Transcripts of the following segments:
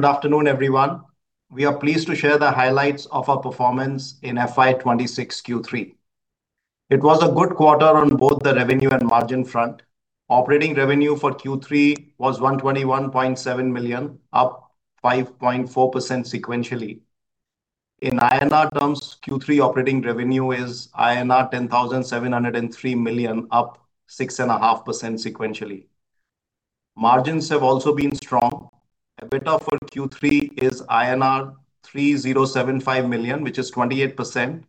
Good afternoon, everyone. We are pleased to share the highlights of our performance in FY 2026 Q3. It was a good quarter on both the revenue and margin front. Operating revenue for Q3 was $121.7 million, up 5.4% sequentially. In INR terms, Q3 operating revenue is INR 10,703 million, up 6.5% sequentially. Margins have also been strong. EBITDA for Q3 is INR 3,075 million, which is 28%,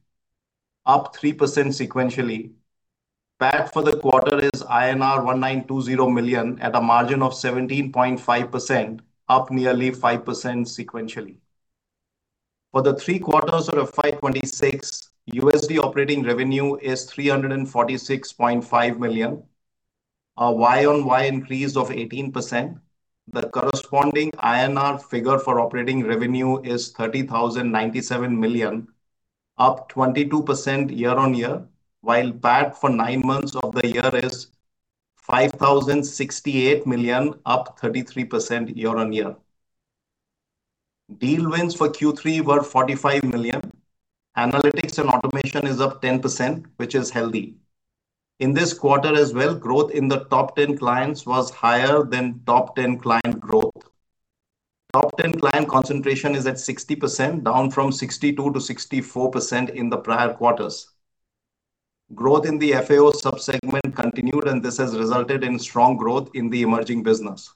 up 3% sequentially. PAT for the quarter is INR 1,920 million at a margin of 17.5%, up nearly 5% sequentially. For the three quarters of FY 2026, USD operating revenue is $346.5 million, a YoY increase of 18%. The corresponding INR figure for operating revenue is 30,097 million, up 22% year-on-year, while PAT for nine months of the year is 5,068 million, up 33% year-on-year. Deal wins for Q3 were $45 million. Analytics and Automation is up 10%, which is healthy. In this quarter as well, growth in the top 10 clients was higher than top 10 client growth. Top 10 client concentration is at 60%, down from 62%-64% in the prior quarters. Growth in the FAO subsegment continued, and this has resulted in strong growth in the emerging business.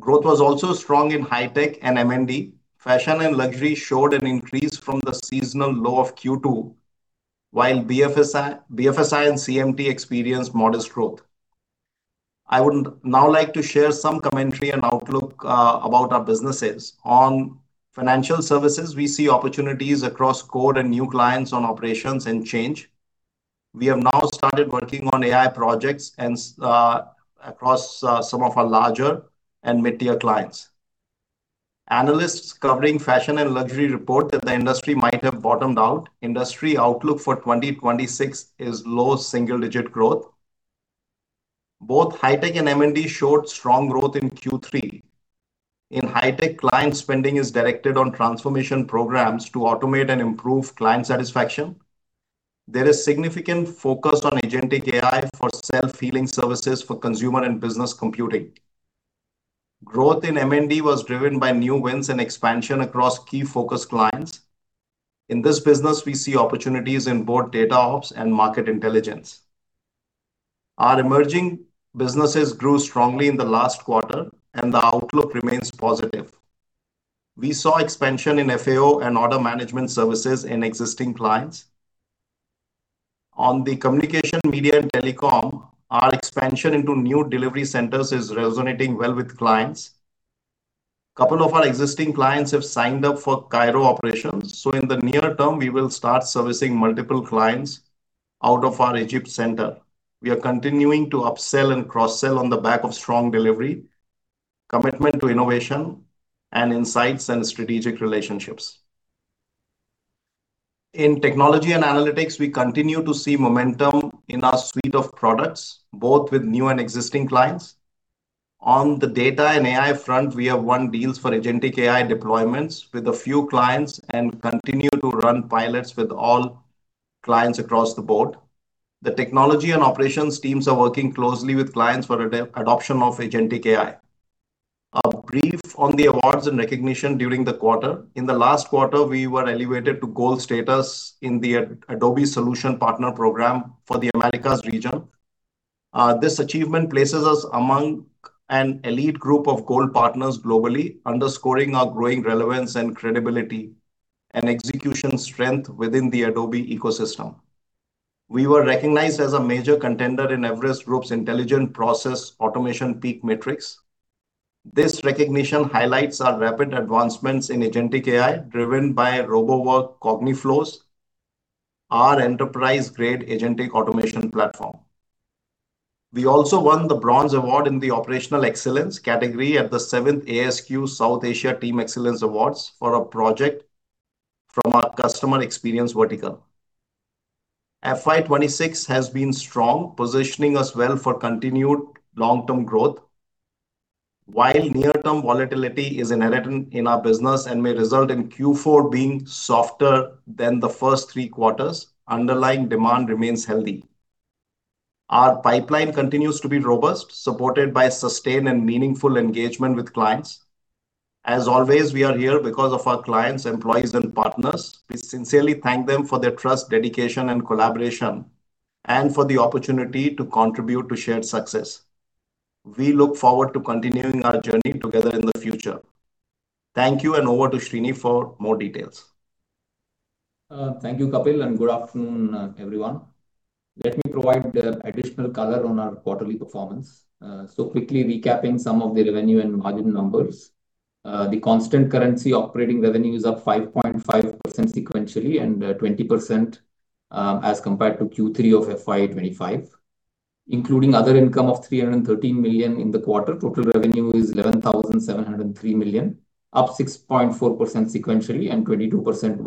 Growth was also strong in high-tech and M&D. Fashion and Luxury showed an increase from the seasonal low of Q2, while BFSI and CMT experienced modest growth. I would now like to share some commentary and outlook about our businesses. On financial services, we see opportunities across core and new clients on operations and change. We have now started working on AI projects across some of our larger and mid-tier clients. Analysts covering Fashion and Luxury report that the industry might have bottomed out. Industry outlook for 2026 is low single-digit growth. Both high-tech and M&D showed strong growth in Q3. In high-tech, client spending is directed on transformation programs to automate and improve client satisfaction. There is significant focus on agentic AI for self-healing services for consumer and business computing. Growth in M&D was driven by new wins and expansion across key focus clients. In this business, we see opportunities in both data ops and market intelligence. Our emerging businesses grew strongly in the last quarter, and the outlook remains positive. We saw expansion in FAO and order management services in existing clients. On the communication, media and telecom, our expansion into new delivery centers is resonating well with clients. A couple of our existing clients have signed up for Cairo operations, so in the near term, we will start servicing multiple clients out of our Egypt center. We are continuing to upsell and cross-sell on the back of strong delivery, commitment to innovation, and insights and strategic relationships. In technology and analytics, we continue to see momentum in our suite of products, both with new and existing clients. On the data and AI front, we have won deals for agentic AI deployments with a few clients and continue to run pilots with all clients across the board. The technology and operations teams are working closely with clients for adoption of agentic AI. A brief on the awards and recognition during the quarter. In the last quarter, we were elevated to gold status in the Adobe Solution Partner Program for the Americas region. This achievement places us among an elite group of gold partners globally, underscoring our growing relevance and credibility and execution strength within the Adobe ecosystem. We were recognized as a major contender in Everest Group's Intelligent Process Automation PEAK Matrix. This recognition highlights our rapid advancements in agentic AI driven by Roboworx CogniFlows, our enterprise-grade agentic automation platform. We also won the Bronze Award in the Operational Excellence category at the 7th ASQ South Asia Team Excellence Awards for a project from our customer experience vertical. FY 2026 has been strong, positioning us well for continued long-term growth. While near-term volatility is inherent in our business and may result in Q4 being softer than the first three quarters, underlying demand remains healthy. Our pipeline continues to be robust, supported by sustained and meaningful engagement with clients. As always, we are here because of our clients, employees, and partners. We sincerely thank them for their trust, dedication, and collaboration, and for the opportunity to contribute to shared success. We look forward to continuing our journey together in the future. Thank you, and over to Srini for more details. Thank you, Kapil, and good afternoon, everyone. Let me provide additional color on our quarterly performance. Quickly recapping some of the revenue and margin numbers, the constant currency operating revenue is up 5.5% sequentially and 20% as compared to Q3 of FY 2025. Including other income of $313 million in the quarter, total revenue is $11,703 million, up 6.4% sequentially and 22%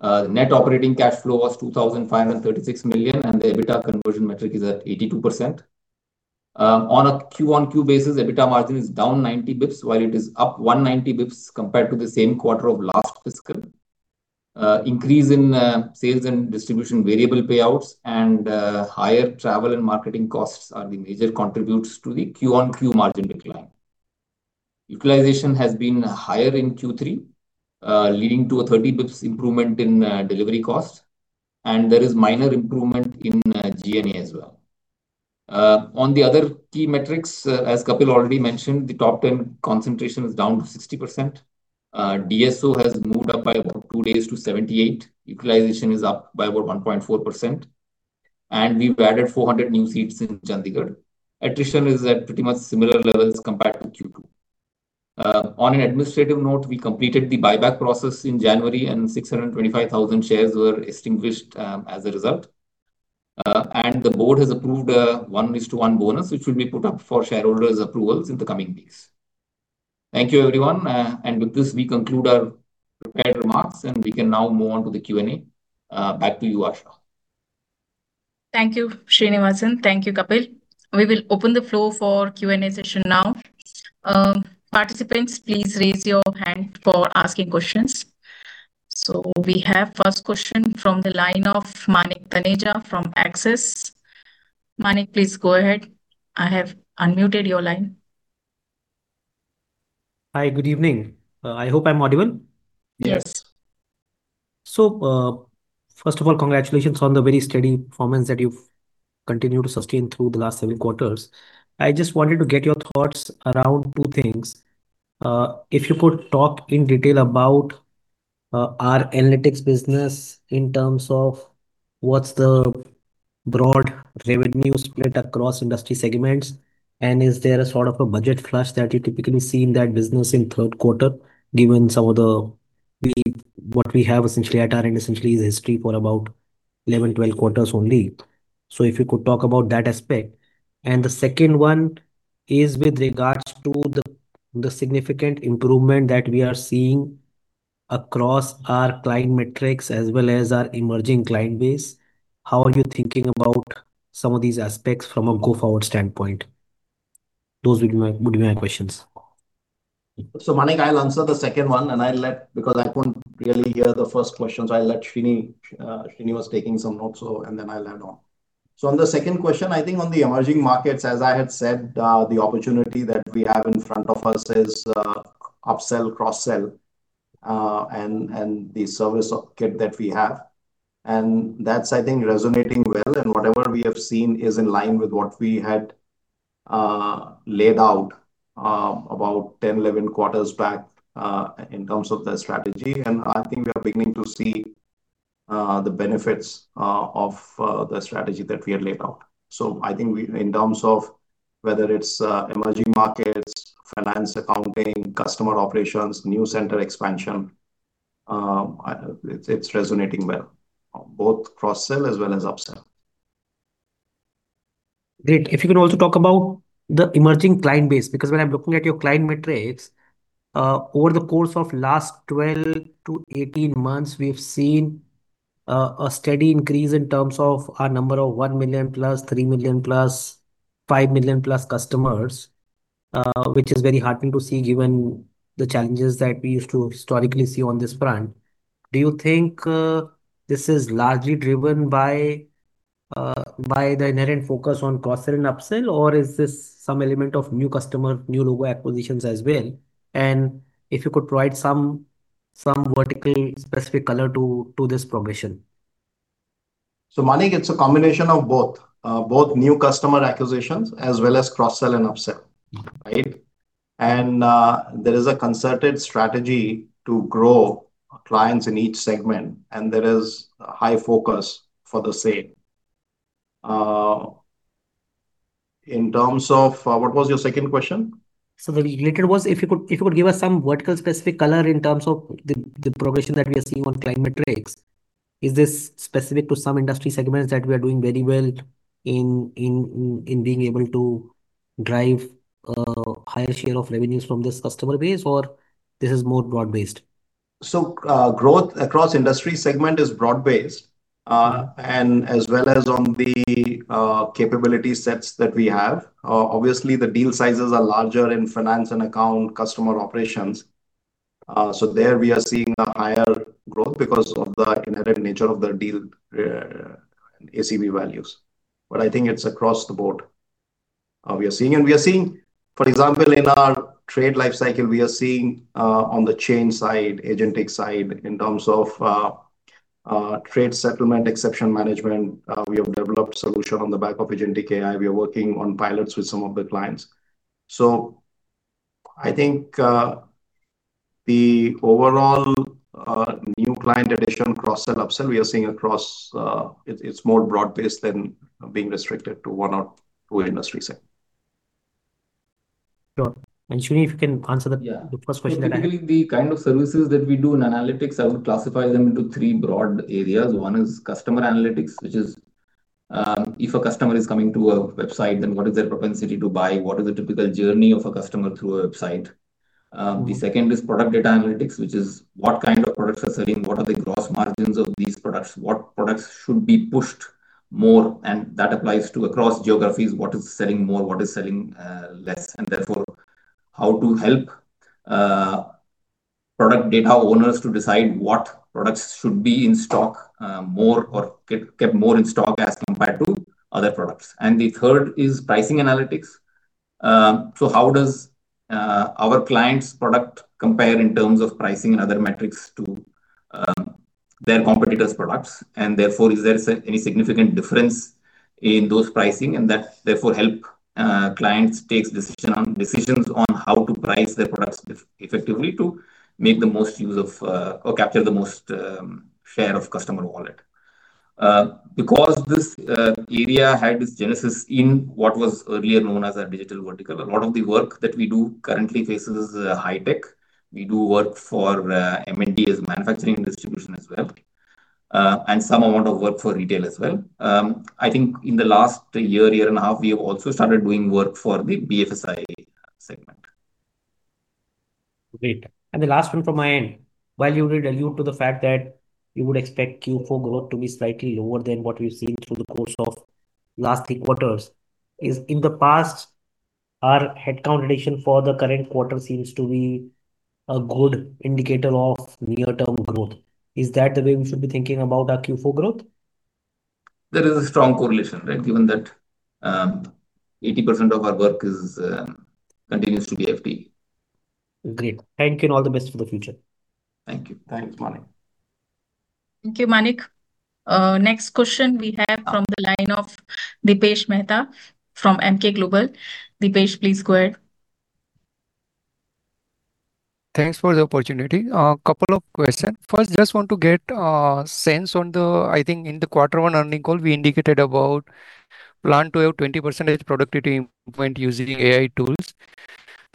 YoY. Net operating cash flow was $2,536 million, and the EBITDA conversion metric is at 82%. On a QoQ basis, EBITDA margin is down 90 basis points, while it is up 190 basis points compared to the same quarter of last fiscal. Increase in sales and distribution variable payouts and higher travel and marketing costs are the major contributors to the QoQ margin decline. Utilization has been higher in Q3, leading to a 30 basis points improvement in delivery cost, and there is minor improvement in G&A as well. On the other key metrics, as Kapil already mentioned, the top 10 concentration is down to 60%. DSO has moved up by about two days to 78. Utilization is up by about 1.4%, and we've added 400 new seats in Chandigarh. Attrition is at pretty much similar levels compared to Q2. On an administrative note, we completed the buyback process in January, and 625,000 shares were extinguished as a result. The board has approved a 1:1 bonus, which will be put up for shareholders' approvals in the coming weeks. Thank you, everyone. With this, we conclude our prepared remarks, and we can now move on to the Q&A. Back to you, Asha. Thank you, Srinivasan. Thank you, Kapil. We will open the floor for Q&A session now. Participants, please raise your hand for asking questions. So we have first question from the line of Manik Taneja from Axis. Manik, please go ahead. I have unmuted your line. Hi, good evening. I hope I'm audible. Yes. First of all, congratulations on the very steady performance that you've continued to sustain through the last seven quarters. I just wanted to get your thoughts around two things. If you could talk in detail about our analytics business in terms of what's the broad revenue split across industry segments, and is there a sort of a budget flush that you typically see in that business in third quarter, given some of the what we have essentially at our end essentially is history for about 11, 12 quarters only. If you could talk about that aspect. The second one is with regards to the significant improvement that we are seeing across our client metrics as well as our emerging client base. How are you thinking about some of these aspects from a go-forward standpoint? Those would be my questions. So Manik, I'll answer the second one, and I'll let because I couldn't really hear the first question, so I'll let Srini was taking some notes, and then I'll add on. So on the second question, I think on the emerging markets, as I had said, the opportunity that we have in front of us is upsell, cross-sell, and the service kit that we have. And that's, I think, resonating well, and whatever we have seen is in line with what we had laid out about 10, 11 quarters back in terms of the strategy. And I think we are beginning to see the benefits of the strategy that we had laid out. So I think in terms of whether it's emerging markets, finance, accounting, customer operations, new center expansion, it's resonating well, both cross-sell as well as upsell. Great. If you could also talk about the emerging client base, because when I'm looking at your client metrics, over the course of the last 12-18 months, we've seen a steady increase in terms of our number of $1 million+, $3 million+, $5 million+ customers, which is very heartening to see given the challenges that we used to historically see on this front. Do you think this is largely driven by the inherent focus on cross-sell and upsell, or is this some element of new customer, new logo acquisitions as well? And if you could provide some vertical-specific color to this progression? So Manik, it's a combination of both, both new customer acquisitions as well as cross-sell and upsell, right? And there is a concerted strategy to grow clients in each segment, and there is high focus for the same. In terms of what was your second question? So the related was if you could give us some vertical specific color in terms of the progression that we are seeing on client metrics, is this specific to some industry segments that we are doing very well in being able to drive a higher share of revenues from this customer base, or this is more broad-based? So growth across industry segments is broad-based, as well as on the capability sets that we have. Obviously, the deal sizes are larger in finance and accounting customer operations. So there we are seeing higher growth because of the inherent nature of the deal ACV values. But I think it's across the board we are seeing. And we are seeing, for example, in our trade lifecycle, we are seeing on the chain side, agentic side, in terms of trade settlement, exception management. We have developed a solution on the back of agentic AI. We are working on pilots with some of the clients. So I think the overall new client addition, cross-sell, upsell, we are seeing across; it's more broad-based than being restricted to one or two industry segments. Sure. Srini, if you can answer the first question that I had. Typically, the kind of services that we do in analytics, I would classify them into three broad areas. One is customer analytics, which is if a customer is coming to a website, then what is their propensity to buy? What is the typical journey of a customer through a website? The second is product data analytics, which is what kind of products are selling? What are the gross margins of these products? What products should be pushed more? And that applies to across geographies. What is selling more? What is selling less? And therefore, how to help product data owners to decide what products should be in stock more or kept more in stock as compared to other products? And the third is pricing analytics. So how does our client's product compare in terms of pricing and other metrics to their competitors' products? Therefore, is there any significant difference in those pricing? That therefore helps clients take decisions on how to price their products effectively to make the most use of or capture the most share of customer wallet. Because this area had its genesis in what was earlier known as a digital vertical, a lot of the work that we do currently faces high-tech. We do work for M&D as manufacturing and distribution as well, and some amount of work for retail as well. I think in the last year, year and a half, we have also started doing work for the BFSI segment. Great. The last one from my end, while you alluded to the fact that you would expect Q4 growth to be slightly lower than what we've seen through the course of the last three quarters, is in the past, our headcount addition for the current quarter seems to be a good indicator of near-term growth. Is that the way we should be thinking about our Q4 growth? There is a strong correlation, right, given that 80% of our work continues to be FT. Great. Thank you, and all the best for the future. Thank you. Thanks, Manik. Thank you, Manik. Next question we have from the line of Dipesh Mehta from Emkay Global. Dipesh, please go ahead. Thanks for the opportunity. A couple of questions. First, just want to get a sense on the, I think, in the quarter one earnings call, we indicated about plan to have 20% productivity improvement using AI tools.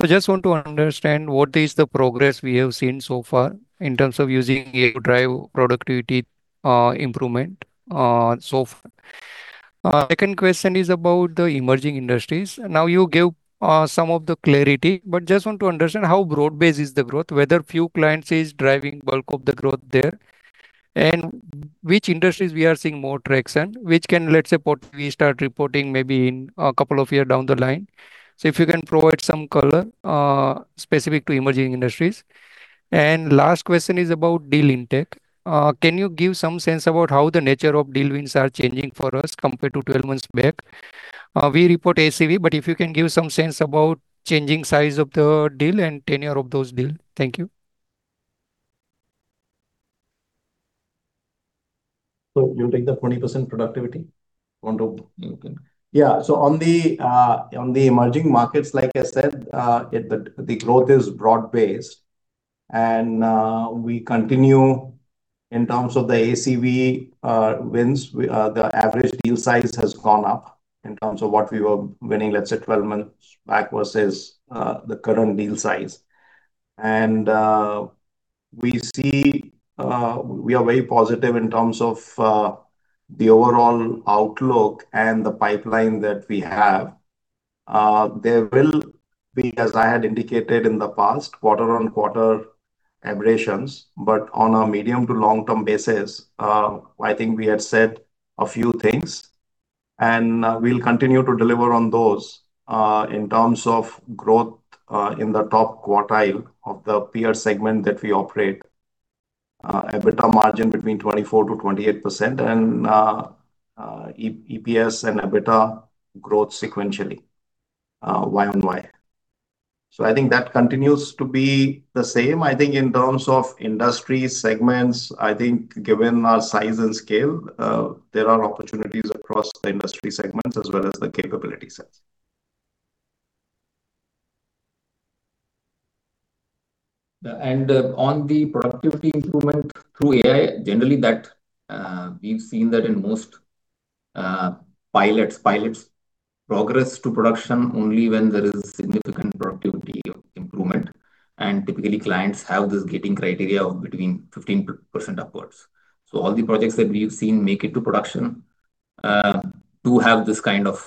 So just want to understand what is the progress we have seen so far in terms of using AI to drive productivity improvement so far. Second question is about the emerging industries. Now you gave some of the clarity, but just want to understand how broad-based is the growth, whether few clients are driving bulk of the growth there, and which industries we are seeing more traction, which can, let's say, start reporting maybe in a couple of years down the line. So if you can provide some color specific to emerging industries. And last question is about deal intake. Can you give some sense about how the nature of deal wins are changing for us compared to 12 months back? We report ACV, but if you can give some sense about changing size of the deal and tenure of those deals? Thank you. So you take the 20% productivity? Yeah. So on the emerging markets, like I said, the growth is broad-based. We continue in terms of the ACV wins, the average deal size has gone up in terms of what we were winning, let's say, 12 months back versus the current deal size. We see we are very positive in terms of the overall outlook and the pipeline that we have. There will be, as I had indicated in the past, quarter-on-quarter aberrations, but on a medium to long-term basis, I think we had said a few things, and we'll continue to deliver on those in terms of growth in the top quartile of the peer segment that we operate, EBITDA margin between 24%-28%, and EPS and EBITDA growth sequentially YoY. So I think that continues to be the same. I think in terms of industry segments, I think given our size and scale, there are opportunities across the industry segments as well as the capability sets. On the productivity improvement through AI, generally, we've seen that in most pilots, pilots progress to production only when there is significant productivity improvement. Typically, clients have this gating criteria of between 15% upwards. All the projects that we've seen make it to production do have this kind of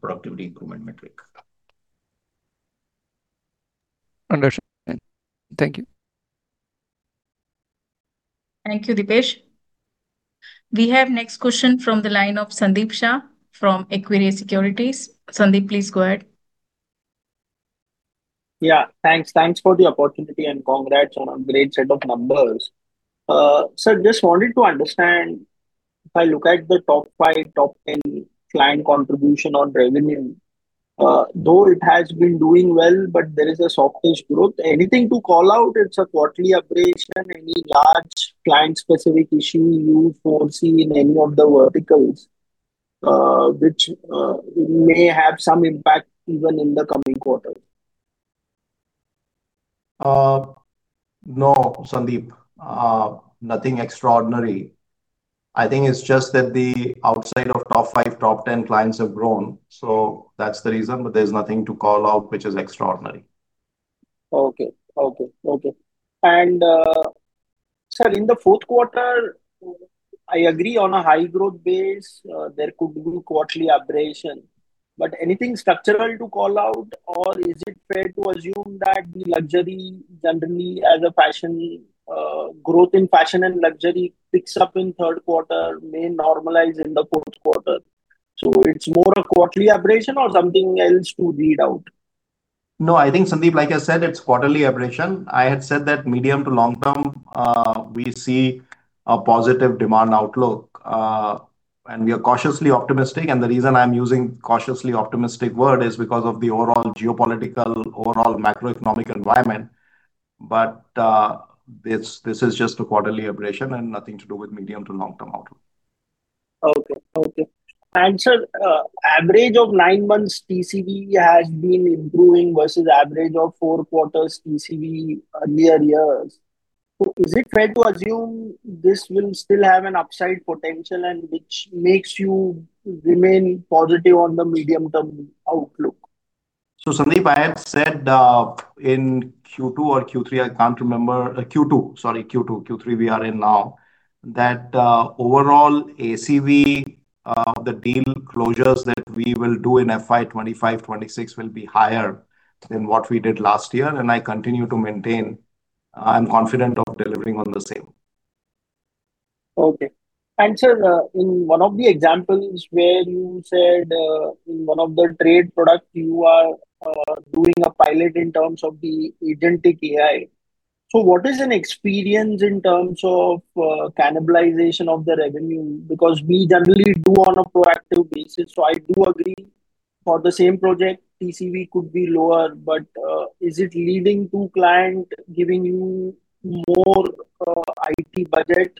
productivity improvement metric. Understood. Thank you. Thank you, Dipesh. We have next question from the line of Sandeep Shah from Equirus Securities. Sandeep, please go ahead. Yeah, thanks. Thanks for the opportunity and congrats on a great set of numbers. So I just wanted to understand if I look at the top five, top 10 client contribution on revenue, though it has been doing well, but there is a softish growth. It's a quarterly upgrade. Any large client-specific issue you foresee in any of the verticals which may have some impact even in the coming quarter? No, Sandeep. Nothing extraordinary. I think it's just that the outside of top five, top 10 clients have grown. So that's the reason, but there's nothing to call out which is extraordinary. Sir, in the fourth quarter, I agree on a high growth base, there could be quarterly aberration. But anything structural to call out, or is it fair to assume that the luxury generally, as a fashion growth in fashion and luxury picks up in third quarter, may normalize in the fourth quarter? So it's more a quarterly aberration or something else to read out? No, I think, Sandeep, like I said, it's quarterly aberration. I had said that medium to long term, we see a positive demand outlook, and we are cautiously optimistic. And the reason I'm using cautiously optimistic word is because of the overall geopolitical, overall macroeconomic environment. But this is just a quarterly aberration and nothing to do with medium to long-term outlook. Okay. Okay. And sir, average of nine months TCV has been improving versus average of four quarters TCV earlier years. So is it fair to assume this will still have an upside potential and which makes you remain positive on the medium-term outlook? So Sandeep, I had said in Q2 or Q3. I can't remember. Q2, sorry. Q2, Q3 we are in now, that overall ACV, the deal closures that we will do in FY 2025, 2026 will be higher than what we did last year. And I continue to maintain. I'm confident of delivering on the same. Okay. Sir, in one of the examples where you said in one of the trade products, you are doing a pilot in terms of the Agentic AI. What is an experience in terms of cannibalization of the revenue? Because we generally do on a proactive basis. I do agree for the same project, TCV could be lower, but is it leading to client giving you more IT budget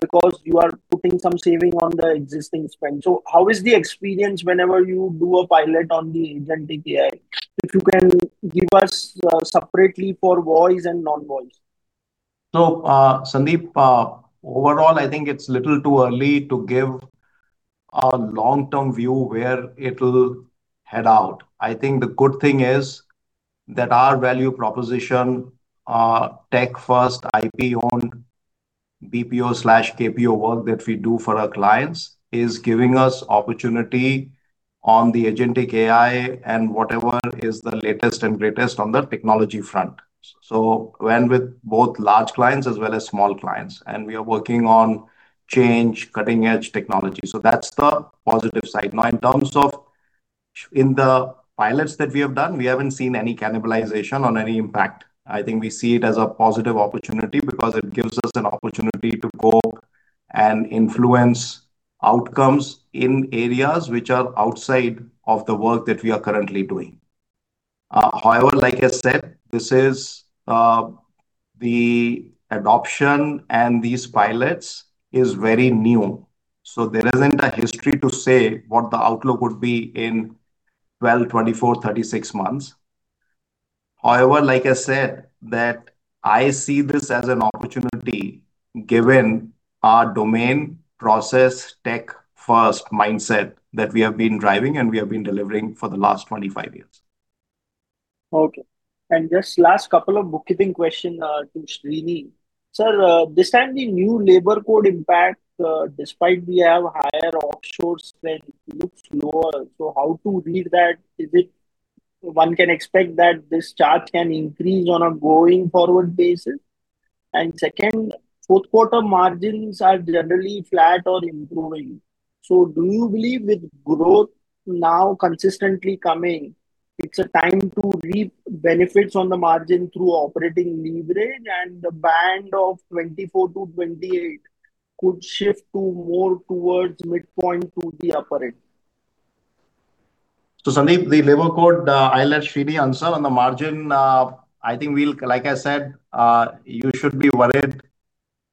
because you are putting some saving on the existing spend? How is the experience whenever you do a pilot on the Agentic AI? If you can give us separately for voice and non-voice. So Sandeep, overall, I think it's a little too early to give a long-term view where it'll head out. I think the good thing is that our value proposition, tech-first, IP-owned BPO/KPO work that we do for our clients is giving us opportunity on the agentic AI and whatever is the latest and greatest on the technology front. So when with both large clients as well as small clients, and we are working on change, cutting-edge technology. So that's the positive side. Now, in terms of in the pilots that we have done, we haven't seen any cannibalization on any impact. I think we see it as a positive opportunity because it gives us an opportunity to go and influence outcomes in areas which are outside of the work that we are currently doing. However, like I said, this is the adoption and these pilots is very new. So there isn't a history to say what the outlook would be in 12, 24, 36 months. However, like I said, that I see this as an opportunity given our domain process tech-first mindset that we have been driving and we have been delivering for the last 25 years. Okay. And just last couple of bookkeeping questions to Srini. Sir, this time, the new labor code impact, despite we have higher offshore spend, looks lower. So how to read that? Is it one can expect that this chart can increase on a going forward basis? And second, fourth quarter margins are generally flat or improving. So do you believe with growth now consistently coming, it's a time to reap benefits on the margin through operating leverage and the band of 24%-28% could shift to more towards midpoint to the upper end? So, Sandeep, the labor code, I'll let Srini answer. On the margin, I think we'll, like I said, you should be worried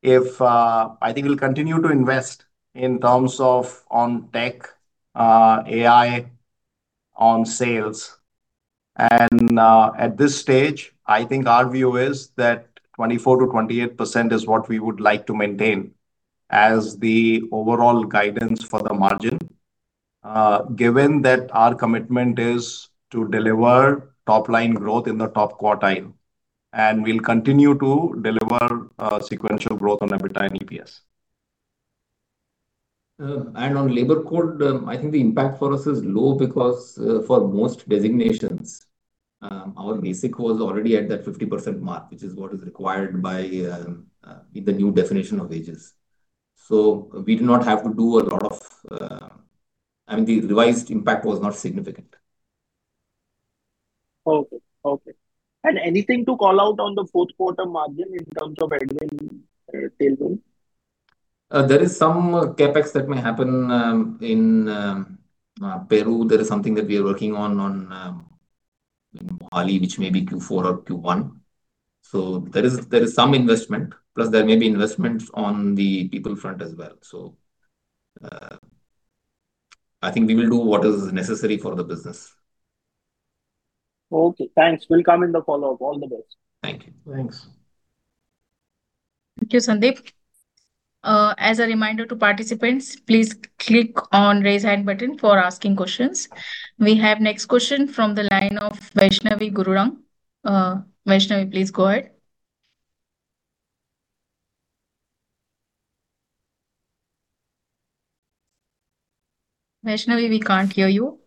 if I think we'll continue to invest in terms of on tech, AI, on sales. And at this stage, I think our view is that 24%-28% is what we would like to maintain as the overall guidance for the margin, given that our commitment is to deliver top-line growth in the top quartile. And we'll continue to deliver sequential growth on EBITDA and EPS. On labor code, I think the impact for us is low because for most designations, our basic was already at that 50% mark, which is what is required by the new definition of wages. So we do not have to do a lot of, I mean, the revised impact was not significant. Okay. Okay. Anything to call out on the fourth quarter margin in terms of admin tailwind? There is some CapEx that may happen in Peru. There is something that we are working on in Bali, which may be Q4 or Q1. So there is some investment, plus there may be investment on the people front as well. So I think we will do what is necessary for the business. Okay. Thanks. We'll come in the follow-up. All the best. Thank you. Thanks. Thank you, Sandeep. As a reminder to participants, please click on raise hand button for asking questions. We have next question from the line of Vaishnavi Gururang. Vaishnavi, please go ahead. Vaishnavi, we can't hear you.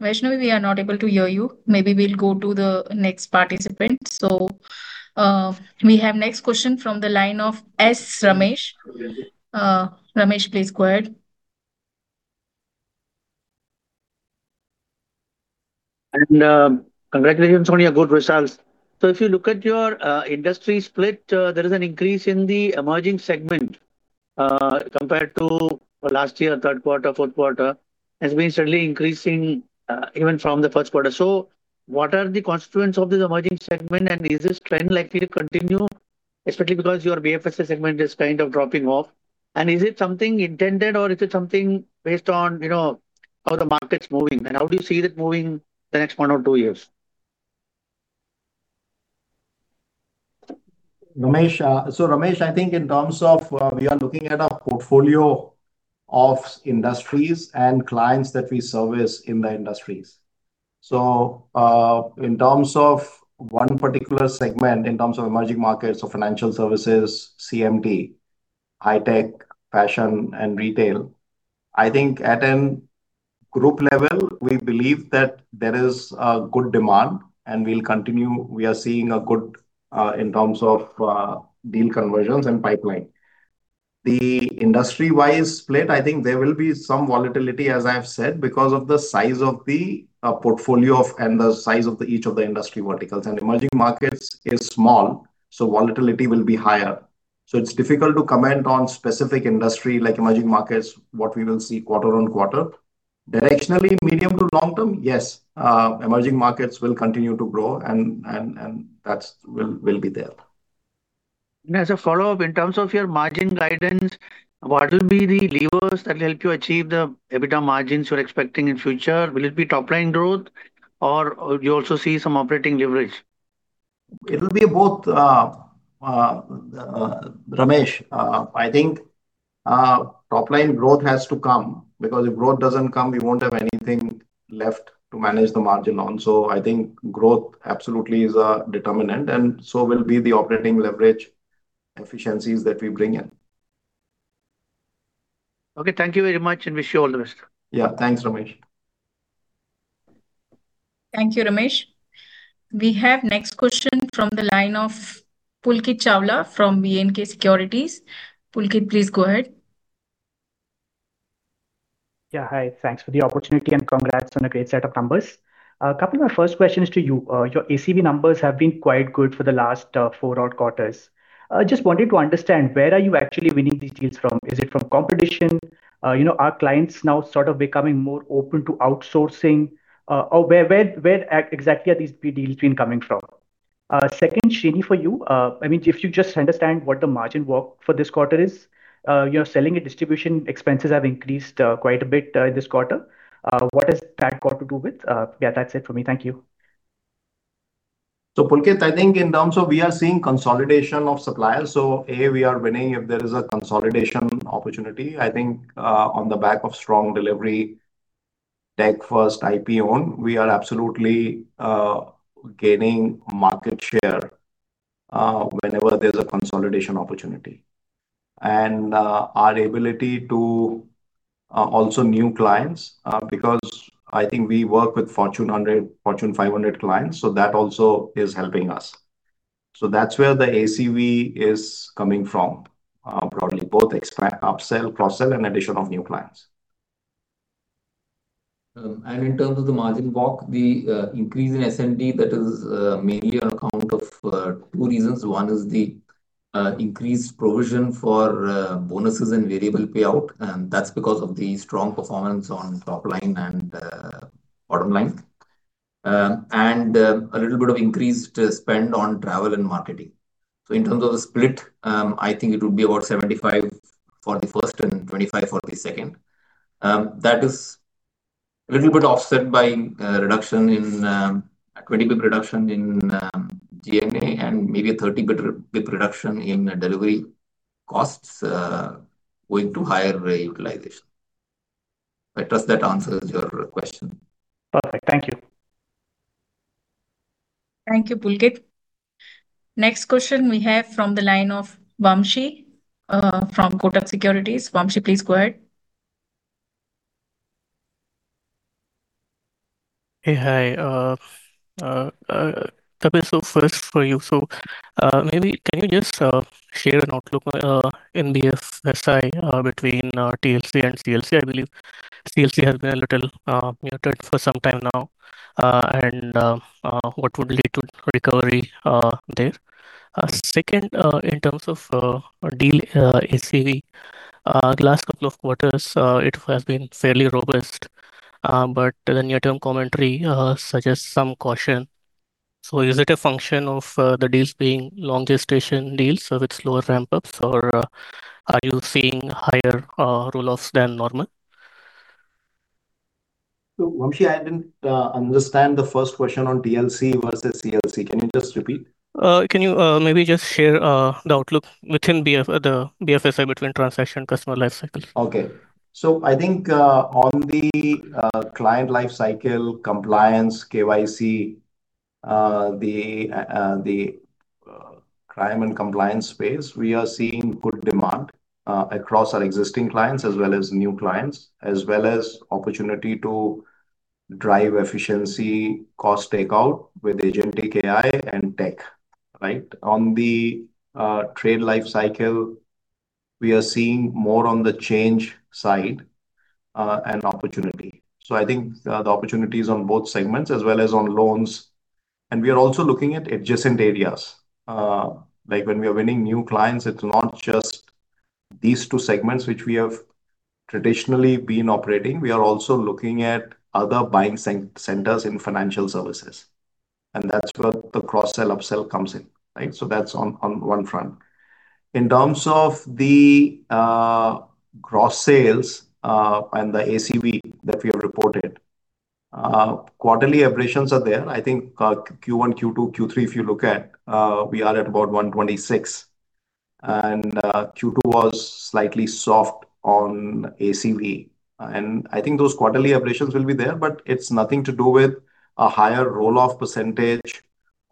Vaishnavi, we are not able to hear you. Maybe we'll go to the next participant. So we have next question from the line of S. Ramesh. Ramesh, please go ahead. Congratulations on your good results. If you look at your industry split, there is an increase in the emerging segment compared to last year third quarter, fourth quarter, has been steadily increasing even from the first quarter. What are the constituents of this emerging segment, and is this trend likely to continue, especially because your BFSI segment is kind of dropping off? Is it something intended, or is it something based on how the market's moving, and how do you see it moving the next one or two years? So Ramesh, I think in terms of we are looking at a portfolio of industries and clients that we service in the industries. So in terms of one particular segment, in terms of emerging markets of financial services, CMT, high-tech, fashion, and retail, I think at a group level, we believe that there is good demand, and we'll continue. We are seeing a good in terms of deal conversions and pipeline. The industry-wise split, I think there will be some volatility, as I've said, because of the size of the portfolio and the size of each of the industry verticals. And emerging markets is small, so volatility will be higher. So it's difficult to comment on specific industry like emerging markets, what we will see quarter-on-quarter. Directionally, medium to long term, yes, emerging markets will continue to grow, and that will be there. As a follow-up, in terms of your margin guidance, what will be the levers that will help you achieve the EBITDA margins you're expecting in future? Will it be top-line growth, or do you also see some operating leverage? It will be both, Ramesh. I think top-line growth has to come because if growth doesn't come, we won't have anything left to manage the margin on. So I think growth absolutely is a determinant, and so will be the operating leverage efficiencies that we bring in. Okay. Thank you very much, and wish you all the best. Yeah. Thanks, Ramesh. Thank you, Ramesh. We have next question from the line of Pulkit Chawla from B&K Securities. Pulkit, please go ahead. Yeah. Hi. Thanks for the opportunity and congrats on a great set of numbers. A couple of my first questions to you. Your ACV numbers have been quite good for the last four odd quarters. Just wanted to understand, where are you actually winning these deals from? Is it from competition? Are clients now sort of becoming more open to outsourcing? Where exactly are these deals been coming from? Second, Srini, for you, I mean, if you just understand what the margin work for this quarter is, selling and distribution expenses have increased quite a bit this quarter. What has that got to do with? Yeah, that's it for me. Thank you. So Pulkit, I think in terms of, we are seeing consolidation of suppliers. So A, we are winning if there is a consolidation opportunity. I think on the back of strong delivery, tech-first, IP-owned, we are absolutely gaining market share whenever there's a consolidation opportunity. And our ability to also new clients, because I think we work with Fortune 500 clients, so that also is helping us. So that's where the ACV is coming from broadly, both upsell, cross-sell, and addition of new clients. In terms of the margin walk, the increase in S&D, that is mainly on account of two reasons. One is the increased provision for bonuses and variable payout. And that's because of the strong performance on top line and bottom line. And a little bit of increased spend on travel and marketing. So in terms of the split, I think it would be about 75 for the first and 25 for the second. That is a little bit offset by a 20-bp reduction in G&A and maybe a 30-bp reduction in delivery costs going to higher utilization. I trust that answers your question. Perfect. Thank you. Thank you, Pulkit. Next question we have from the line of Vamshi from Kotak Securities. Vamshi, please go ahead. Hey, hi. So first for you, so maybe can you just share an outlook in BFSI between TLC and CLC? I believe CLC has been a little muted for some time now, and what would lead to recovery there? Second, in terms of deal ACV, the last couple of quarters, it has been fairly robust, but the near-term commentary suggests some caution. So is it a function of the deals being longer station deals with slower ramp-ups, or are you seeing higher roll-offs than normal? Vamshi, I didn't understand the first question on TLC versus CLC. Can you just repeat? Can you maybe just share the outlook within BFSI between transaction and customer lifecycles? Okay. So I think on the client lifecycle, compliance, KYC, the crime and compliance space, we are seeing good demand across our existing clients as well as new clients, as well as opportunity to drive efficiency, cost takeout with agentic AI and tech, right? On the trade lifecycle, we are seeing more on the change side and opportunity. So I think the opportunity is on both segments as well as on loans. And we are also looking at adjacent areas. Like when we are winning new clients, it's not just these two segments which we have traditionally been operating. We are also looking at other buying centers in financial services. And that's where the cross-sell upsell comes in, right? So that's on one front. In terms of the gross sales and the ACV that we have reported, quarterly variations are there. I think Q1, Q2, Q3, if you look at, we are at about 126. Q2 was slightly soft on ACV. I think those quarterly abrasions will be there, but it's nothing to do with a higher roll-off percentage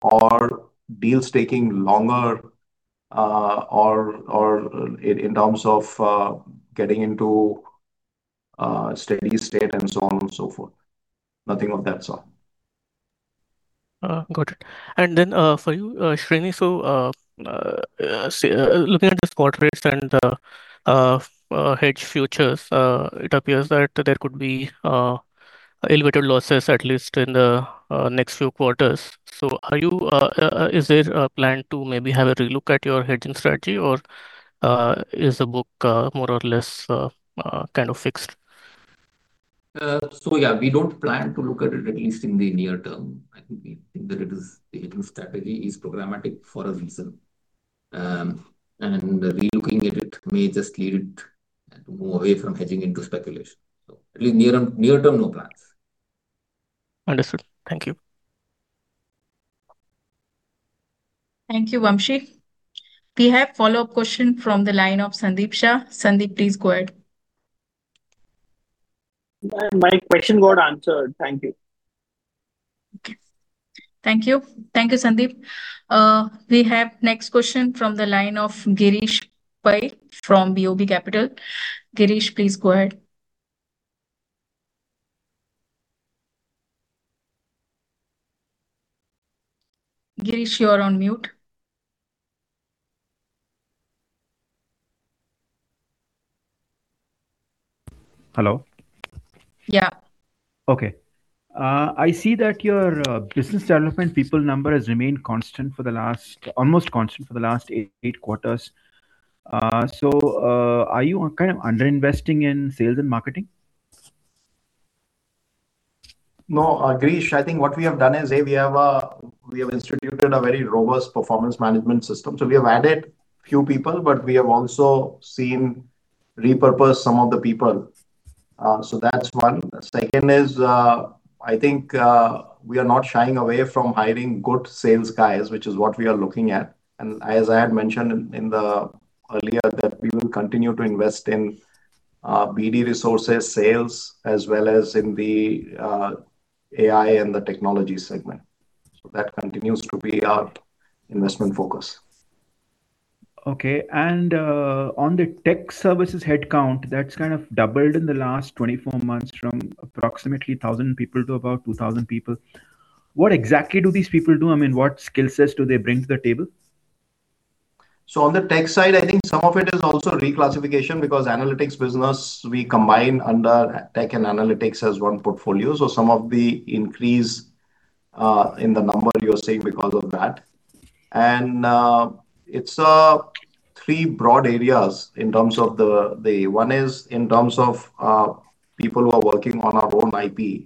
or deals taking longer or in terms of getting into steady state and so on and so forth. Nothing of that sort. Got it. Then for you, Srini, so looking at this quarter rates and hedge futures, it appears that there could be elevated losses at least in the next few quarters. So is there a plan to maybe have a relook at your hedging strategy, or is the book more or less kind of fixed? So yeah, we don't plan to look at it at least in the near term. I think that the hedging strategy is programmatic for a reason. Relooking at it may just lead to move away from hedging into speculation. So at least near-term, no plans. Understood. Thank you. Thank you, Vamshi. We have follow-up question from the line of Sandeep Shah. Sandeep, please go ahead. My question got answered. Thank you. Okay. Thank you. Thank you, Sandeep. We have next question from the line of Girish Pai from BOB Capital. Girish, please go ahead. Girish, you are on mute. Hello. Yeah. Okay. I see that your business development people number has remained constant for the last, almost constant for the last 8 quarters. So are you kind of underinvesting in sales and marketing? No, Girish, I think what we have done is we have instituted a very robust performance management system. So we have added a few people, but we have also repurposed some of the people. So that's one. Second is, I think we are not shying away from hiring good sales guys, which is what we are looking at. And as I had mentioned earlier, that we will continue to invest in BD resources, sales, as well as in the AI and the technology segment. So that continues to be our investment focus. Okay. And on the tech services headcount, that's kind of doubled in the last 24 months from approximately 1,000 people to about 2,000 people. What exactly do these people do? I mean, what skill sets do they bring to the table? So on the tech side, I think some of it is also reclassification because analytics business, we combine under tech and analytics as one portfolio. Some of the increase in the number you're seeing because of that. It's three broad areas in terms of the one is in terms of people who are working on our own IP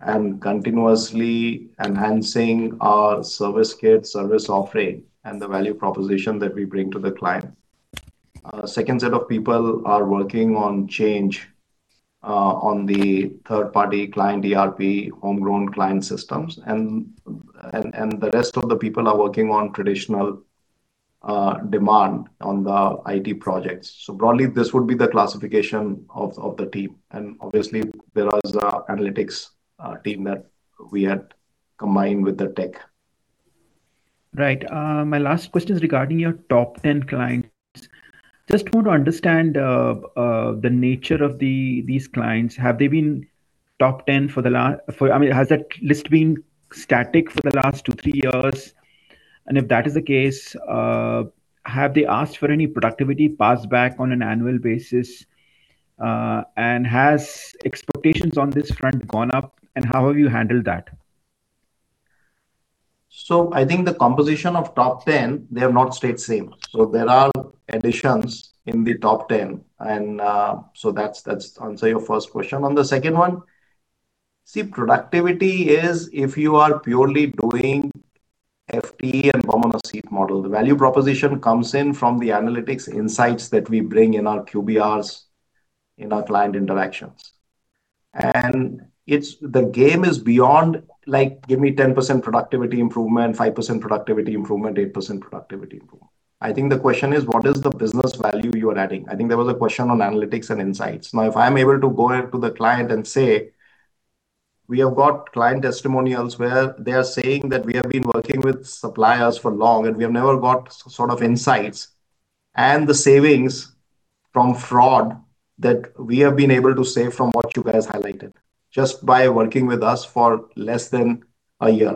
and continuously enhancing our service kit, service offering, and the value proposition that we bring to the client. Second set of people are working on change on the third-party client ERP, homegrown client systems. The rest of the people are working on traditional demand on the IT projects. So broadly, this would be the classification of the team. Obviously, there is an analytics team that we had combined with the tech. Right. My last question is regarding your top 10 clients. Just want to understand the nature of these clients. Have they been top 10 for the last—I mean, has that list been static for the last two, three years? And if that is the case, have they asked for any productivity passed back on an annual basis? And has expectations on this front gone up? And how have you handled that? So I think the composition of top 10, they have not stayed same. So there are additions in the top 10. And so that's the answer to your first question. On the second one, see, productivity is if you are purely doing FTE and bum on a seat model. The value proposition comes in from the analytics insights that we bring in our QBRs, in our client interactions. And the game is beyond, like, give me 10% productivity improvement, 5% productivity improvement, 8% productivity improvement. I think the question is, what is the business value you are adding? I think there was a question on analytics and insights. Now, if I'm able to go to the client and say, we have got client testimonials where they are saying that we have been working with suppliers for long, and we have never got sort of insights and the savings from fraud that we have been able to save from what you guys highlighted just by working with us for less than a year.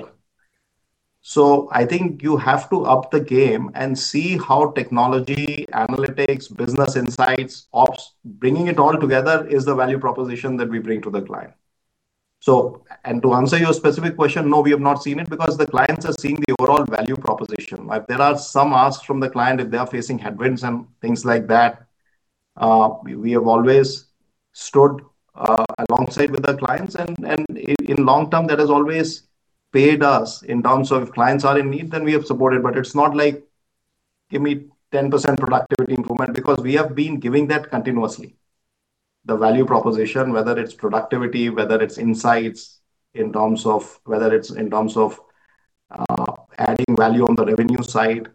So I think you have to up the game and see how technology, analytics, business insights, ops, bringing it all together is the value proposition that we bring to the client. And to answer your specific question, no, we have not seen it because the clients are seeing the overall value proposition. There are some asks from the client if they are facing headwinds and things like that. We have always stood alongside with the clients. In long term, that has always paid us in terms of if clients are in need, then we have supported. But it's not like, give me 10% productivity improvement because we have been giving that continuously. The value proposition, whether it's productivity, whether it's insights in terms of whether it's in terms of adding value on the revenue side,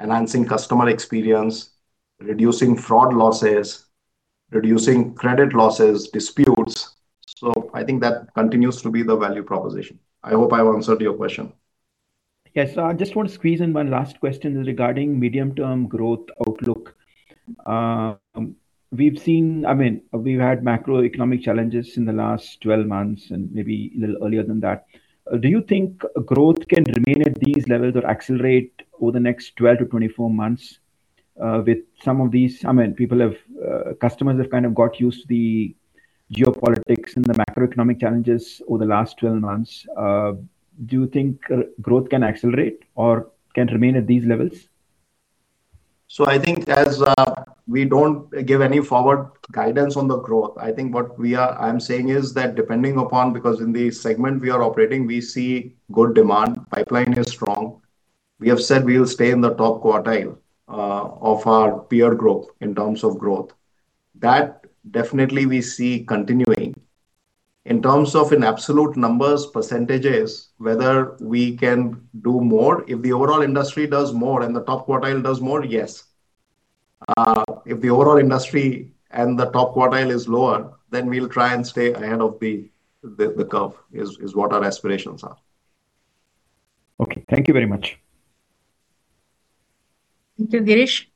enhancing customer experience, reducing fraud losses, reducing credit losses, disputes. I think that continues to be the value proposition. I hope I've answered your question. Yes. I just want to squeeze in one last question regarding medium-term growth outlook. I mean, we've had macroeconomic challenges in the last 12 months and maybe a little earlier than that. Do you think growth can remain at these levels or accelerate over the next 12-24 months with some of these? I mean, people have, customers have kind of got used to the geopolitics and the macroeconomic challenges over the last 12 months. Do you think growth can accelerate or can remain at these levels? So I think as we don't give any forward guidance on the growth, I think what I'm saying is that depending upon because in the segment we are operating, we see good demand. Pipeline is strong. We have said we will stay in the top quartile of our peer group in terms of growth. That definitely we see continuing. In terms of in absolute numbers, percentages, whether we can do more, if the overall industry does more and the top quartile does more, yes. If the overall industry and the top quartile is lower, then we'll try and stay ahead of the curve is what our aspirations are. Okay. Thank you very much. Thank you, Girish.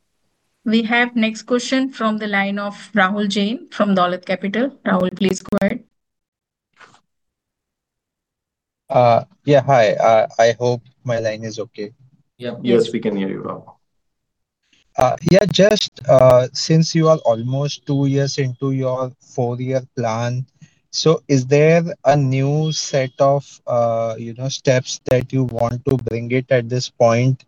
We have next question from the line of Rahul Jain from Dolat Capital. Rahul, please go ahead. Yeah, hi. I hope my line is okay. Yes, we can hear you well. Yeah, just since you are almost two years into your four-year plan, so is there a new set of steps that you want to bring it at this point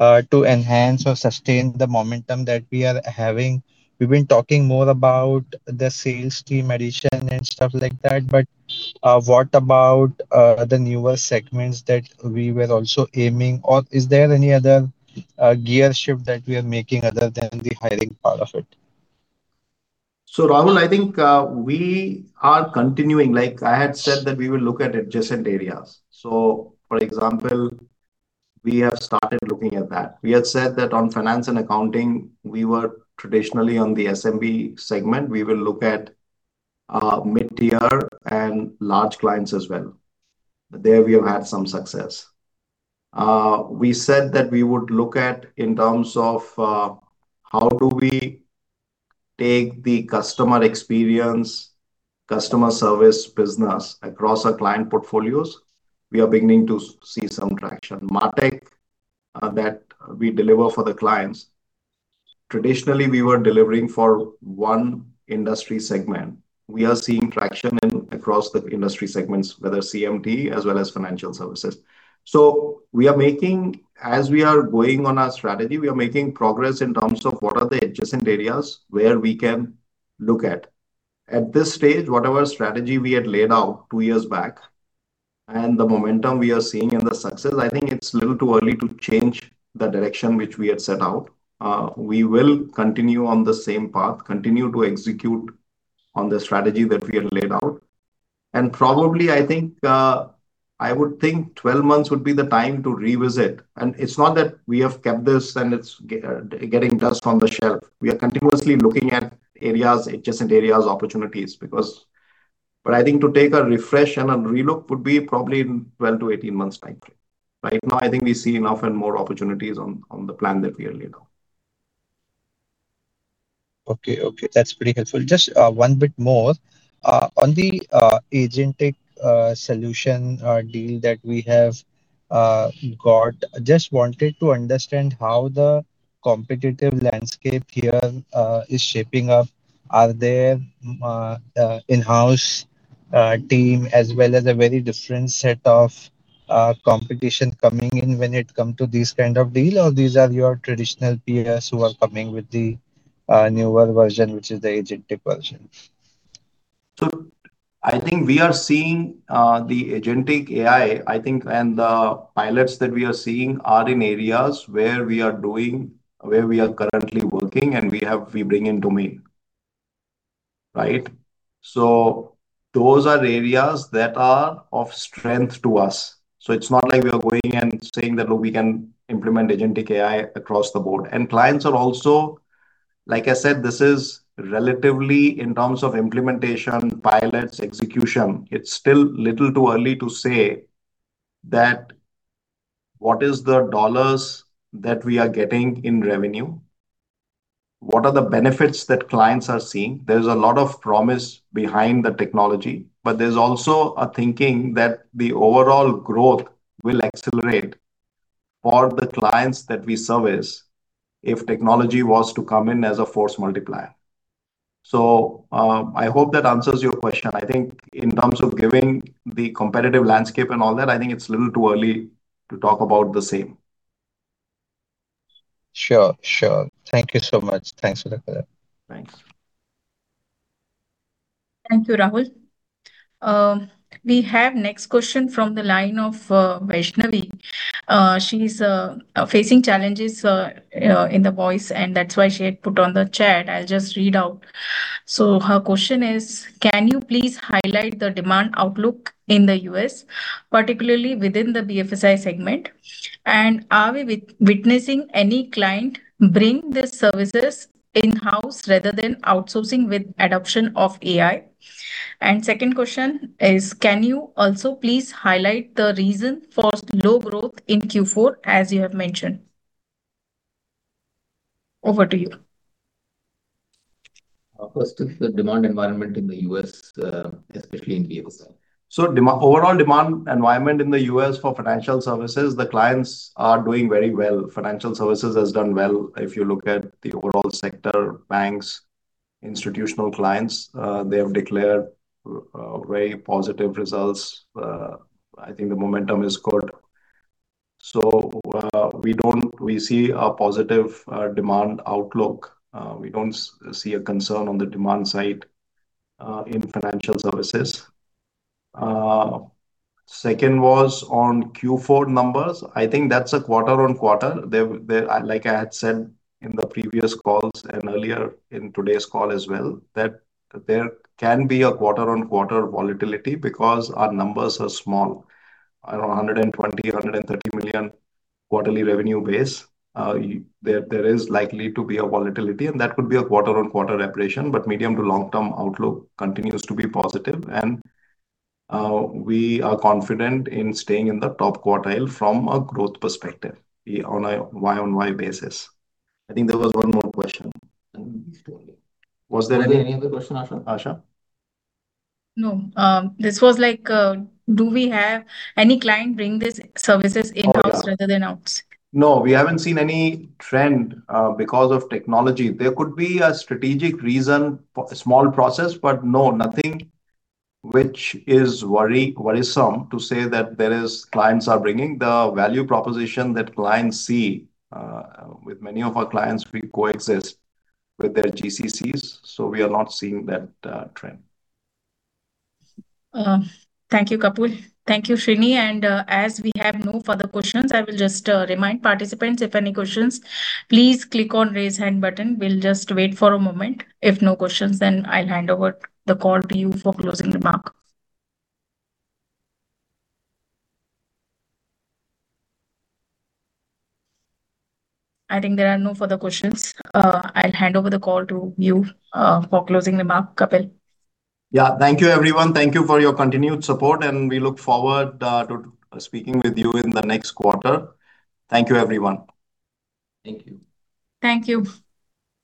to enhance or sustain the momentum that we are having? We've been talking more about the sales team addition and stuff like that, but what about the newer segments that we were also aiming? Or is there any other gear shift that we are making other than the hiring part of it? So Rahul, I think we are continuing. I had said that we will look at adjacent areas. So for example, we have started looking at that. We had said that on finance and accounting, we were traditionally on the SMB segment. We will look at mid-tier and large clients as well. There we have had some success. We said that we would look at in terms of how do we take the customer experience, customer service business across our client portfolios. We are beginning to see some traction. MarTech that we deliver for the clients. Traditionally, we were delivering for one industry segment. We are seeing traction across the industry segments, whether CMT as well as financial services. So as we are going on our strategy, we are making progress in terms of what are the adjacent areas where we can look at. At this stage, whatever strategy we had laid out two years back and the momentum we are seeing and the success, I think it's a little too early to change the direction which we had set out. We will continue on the same path, continue to execute on the strategy that we had laid out. And probably, I think I would think 12 months would be the time to revisit. And it's not that we have kept this and it's getting dust on the shelf. We are continuously looking at areas, adjacent areas, opportunities. But I think to take a refresh and a relook would be probably in 12-18 months' time frame. Right now, I think we see enough and more opportunities on the plan that we had laid out. Okay. Okay. That's pretty helpful. Just one bit more. On the agentic solution deal that we have got, just wanted to understand how the competitive landscape here is shaping up. Are there in-house team as well as a very different set of competition coming in when it comes to these kind of deals, or these are your traditional peers who are coming with the newer version, which is the agentic version? So I think we are seeing the Agentic AI, I think, and the pilots that we are seeing are in areas where we are doing, where we are currently working, and we bring in domain. Right? So those are areas that are of strength to us. So it's not like we are going and saying that we can implement Agentic AI across the board. And clients are also, like I said, this is relatively in terms of implementation, pilots, execution. It's still a little too early to say that what is the dollars that we are getting in revenue? What are the benefits that clients are seeing? There's a lot of promise behind the technology, but there's also a thinking that the overall growth will accelerate for the clients that we service if technology was to come in as a force multiplier. So I hope that answers your question. I think in terms of giving the competitive landscape and all that, I think it's a little too early to talk about the same. Sure. Sure. Thank you so much. Thanks for the call. Thanks. Thank you, Rahul. We have next question from the line of Vaishnavi. She's facing challenges in the voice, and that's why she had put on the chat. I'll just read out. So her question is, can you please highlight the demand outlook in the U.S., particularly within the BFSI segment? And are we witnessing any client bring the services in-house rather than outsourcing with adoption of AI? And second question is, can you also please highlight the reason for low growth in Q4, as you have mentioned? Over to you. First, the demand environment in the U.S., especially in BFSI. So overall demand environment in the U.S. for financial services, the clients are doing very well. Financial services has done well. If you look at the overall sector, banks, institutional clients, they have declared very positive results. I think the momentum is good. So we see a positive demand outlook. We don't see a concern on the demand side in financial services. Second was on Q4 numbers. I think that's a quarter-on-quarter. Like I had said in the previous calls and earlier in today's call as well, that there can be a quarter-on-quarter volatility because our numbers are small. Around $120 million-$130 million quarterly revenue base, there is likely to be a volatility, and that could be a quarter-on-quarter operation, but medium to long-term outlook continues to be positive. And we are confident in staying in the top quartile from a growth perspective on a YoY basis. I think there was one more question. Was there any other question, Asha? No. This was like, do we have any client bring these services in-house rather than out? No, we haven't seen any trend because of technology. There could be a strategic reason, small process, but no, nothing which is worrisome to say that clients are bringing. The value proposition that clients see, with many of our clients, we coexist with their GCCs. So we are not seeing that trend. Thank you, Kapil. Thank you, Srini. And as we have no further questions, I will just remind participants, if any questions, please click on raise hand button. We'll just wait for a moment. If no questions, then I'll hand over the call to you for closing remark. I think there are no further questions. I'll hand over the call to you for closing remark, Kapil. Yeah. Thank you, everyone. Thank you for your continued support, and we look forward to speaking with you in the next quarter. Thank you, everyone. Thank you. Thank you.